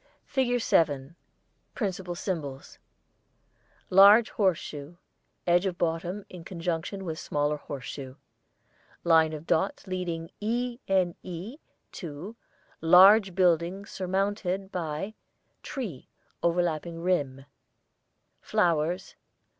[ILLUSTRATION 7] FIG.7 Principal Symbols: Large horse shoe, edge of bottom, in conjunction with smaller horse shoe. Line of dots leading E.N.E. to Large building surmounted by Tree, overlapping rim. Flowers.